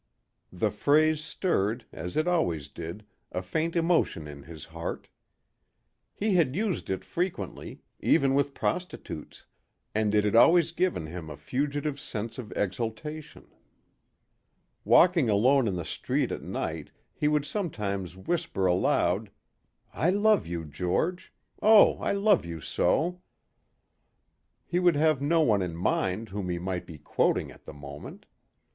The phrase stirred, as it always did, a faint emotion in his heart. He had used it frequently, even with prostitutes, and it had always given him a fugitive sense of exaltation. Walking alone in the street at night he would sometimes whisper aloud, "I love you, George. Oh, I love you so." He would have no one in mind whom he might be quoting at the moment.